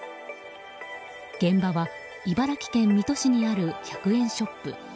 現場は茨城県水戸市にある１００円ショップ。